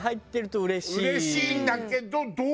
うれしいんだけどどう。